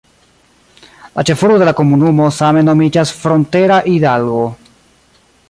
La ĉefurbo de la komunumo same nomiĝas Frontera Hidalgo.